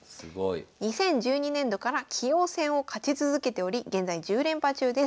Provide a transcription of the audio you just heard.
２０１２年度から棋王戦を勝ち続けており現在１０連覇中です。